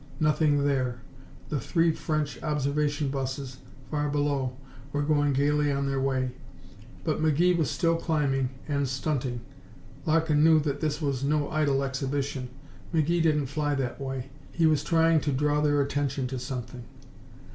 Nothing there. The three French observation busses, far below, were going gaily on their way. But McGee was still climbing and stunting. Larkin knew that this was no idle exhibition. McGee didn't fly that way. He was trying to draw their attention to something.